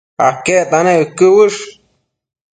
aquecta nec uëquë uësh?